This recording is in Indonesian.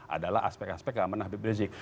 adalah aspek aspek keamanan habib rizik